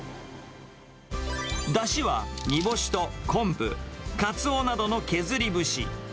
だしは煮干と昆布、カツオなどの削り節。